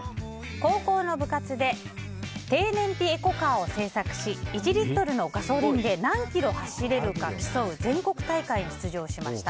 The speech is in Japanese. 高校の部活で低燃費エコカーを制作し１リットルのガソリンで何キロ走れるか競う全国大会に出場しました。